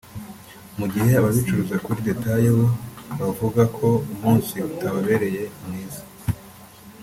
mu gihe ababikucuruza kuri detaye bo bavuga ko umunsi utababereye mwiza